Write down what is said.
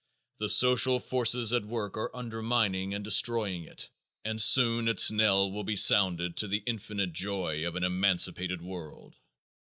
The social forces at work are undermining and destroying it and soon its knell will be sounded to the infinite joy of an emancipated world.